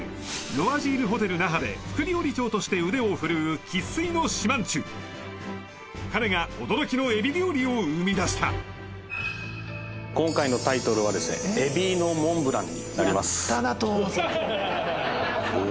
ロワジールホテル那覇で副料理長として腕を振るう生っ粋の島人彼が驚きのエビ料理を生み出した今回のタイトルはですねエビのモンブランになりますやったな當山さん